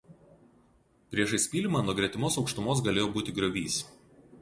Priešais pylimą nuo gretimos aukštumos galėjo būti griovys.